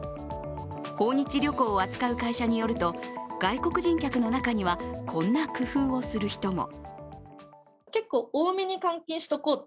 訪日旅行を扱う会社によると、外国人客の中には、こんな工夫をする人も。